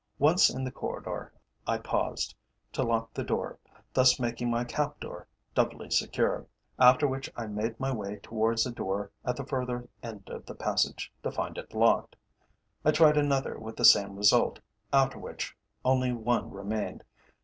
Once in the corridor I paused, to lock the door, thus making my captor doubly secure, after which I made my way towards a door at the further end of the passage, to find it locked. I tried another with the same result, after which only one remained.